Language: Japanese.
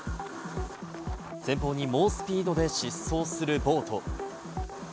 前方に猛スピードで疾走するボート。